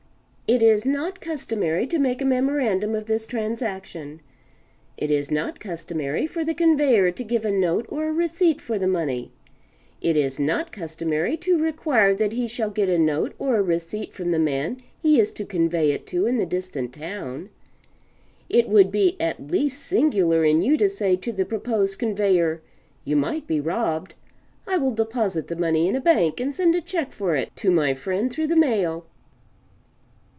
It is not customary to make a memorandum of this transaction; it is not customary for the conveyor to give a note or a receipt for the money; it is not customary to require that he shall get a note or a receipt from the man he is to convey it to in the distant town. It would be at least singular in you to say to the proposed conveyor, "You might be robbed; I will deposit the money in a bank and send a check for it to my friend through the mail."